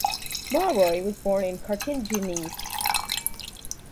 Mauroy was born in Cartignies.